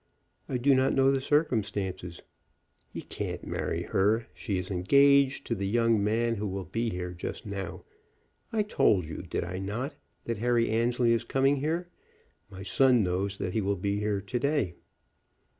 "I do not know the circumstances." "He can't marry her. She is engaged to the young man who will be here just now. I told you, did I not? that Harry Annesley is coming here. My son knows that he will be here to day."